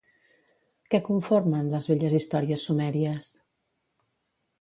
Què conformen les velles històries sumèries?